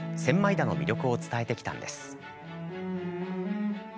田の魅力を伝えてきたんです。